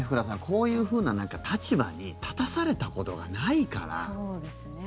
こういうふうな立場に立たされたことがないから。